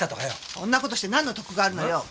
そんな事してなんの得があるのよ！